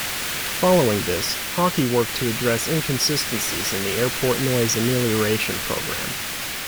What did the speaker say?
Following this, Hockey worked to address inconsistencies in the airport noise amelioration program.